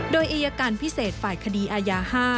โดยอายการพิเศษฝ่ายคดีอาญา๕